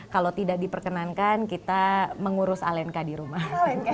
kalau tidak diperkenankan kita mengurus alenka di rumah